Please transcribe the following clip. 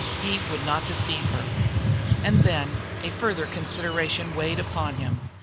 He would not deceive her. And then a further consideration weighed upon him.